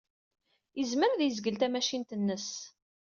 Yezmer ad yezgel tamacint-nnes.